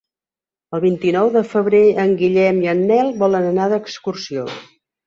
El vint-i-nou de febrer en Guillem i en Nel volen anar d'excursió.